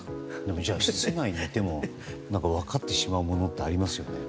室内にいても分かってしまうものってありますよね。